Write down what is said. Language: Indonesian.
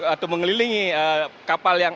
atau mengelilingi kapal yang